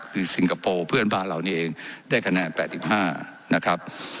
คือสิงคโปร์เพื่อนบ้านเหล่านี้เองได้คะแนนแปดสิบห้านะครับ